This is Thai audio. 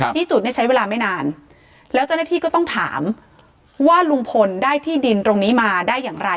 ที่จุดเนี่ยใช้เวลาไม่นานแล้วเจ้าหน้าที่ก็ต้องถามว่าลุงพลได้ที่ดินตรงนี้มาได้อย่างไร